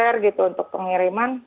gak keteter gitu untuk pengiriman